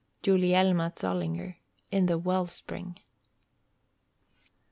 Gulielma Zollinger, in the Wellspring.